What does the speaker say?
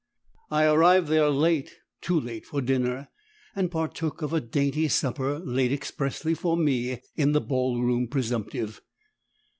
I arrived there late too late for dinner and partook of a dainty supper laid expressly for me in the ball room presumptive.